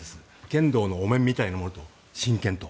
剣道のお面みたいなものと真剣と。